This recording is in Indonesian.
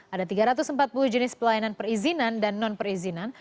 ada tiga ratus empat puluh jenis pelayanan perizinan dan non perizinan